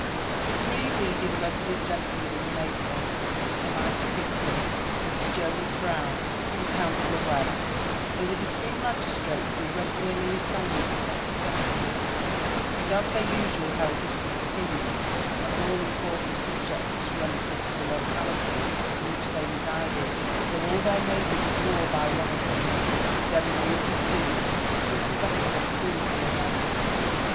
The three leading resident gentlemen in the neighbourhood were Sir Michael Gibson, Mr. Jonas Brown, and Counsellor Webb; they were the three magistrates who regularly attended the petty sessions at Carrick; and as they usually held different opinions on all important subjects relative to the locality in which they resided, so all their neighbours swore by one of them, condemning the other two as little better than fools or knaves.